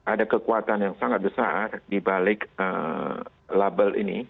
ada kekuatan yang sangat besar dibalik label ini